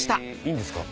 いいんですか？